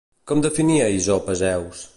Com definia Isop a Zeus?